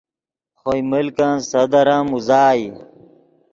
خوئے ملکن صدر ام اوزائے